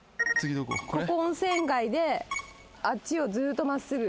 ここ温泉街であっちをずっとまっすぐ。